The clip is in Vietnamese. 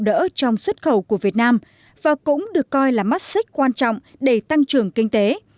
đỡ trong xuất khẩu của việt nam và cũng được coi là mắt xích quan trọng để tăng trưởng kinh tế